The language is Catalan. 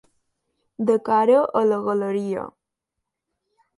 De cara a la galeria.